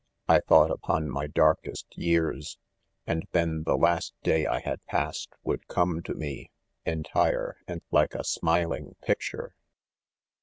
I thought upon my darkest years $ and then the last day I had passed would come to me, entire and like a smiling picture.